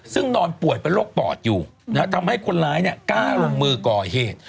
ซึ่งนอนป่วยเป็นโรคปอดอยู่ทำให้คนร้ายกล้าลงมือก่อเหตุ